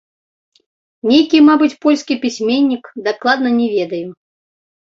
Нейкі, мабыць, польскі пісьменнік, дакладна не ведаю.